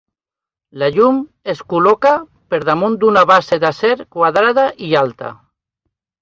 La llum es col·loca per damunt d'una base d'acer quadrada i alta.